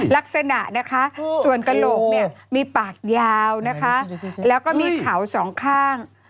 ลักษณะนะคะส่วนกระโหลกเนี่ยมีปากยาวนะคะแล้วก็มีเขาสองข้าง